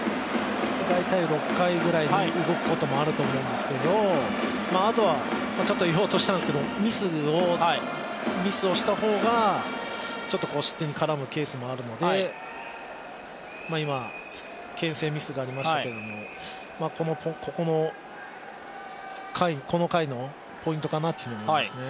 大体６回ぐらいに動くこともあると思うんですけど、言おうとしたんですけど、ミスをした方が失点に絡むケースもあるので今、けん制ミスがありましたけれども、この回のポイントかなというふうに思いますね。